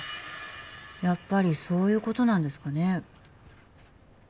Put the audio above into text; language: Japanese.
やっぱりそういうことなんですかね